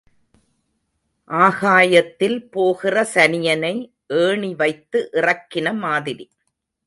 ஆகாயத்தில் போகிற சனியனை ஏணி வைத்து இறக்கின மாதிரி.